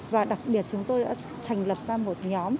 và đặc biệt chúng tôi đã thành lập ra một nhóm